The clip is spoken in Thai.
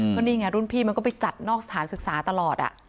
ก็นี่ไงรุ่นพี่มันก็ไปจัดนอกสถานศึกษาตลอด